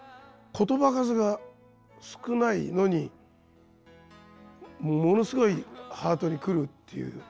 言葉数が少ないのにものすごいハートに来るっていう。